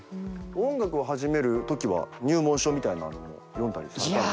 音楽を始めるときは入門書みたいなのも読んだりしてたんですか？